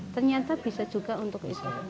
ternyata bisa juga untuk islam